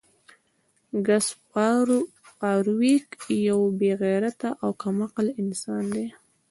ګس فارویک یو بې غیرته او کم عقل انسان دی